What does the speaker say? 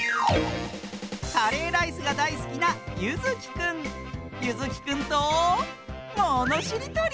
カレーライスがだいすきなゆずきくんとものしりとり！